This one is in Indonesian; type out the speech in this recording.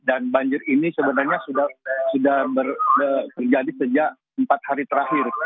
dan banjir ini sebenarnya sudah berjadi sejak empat hari terakhir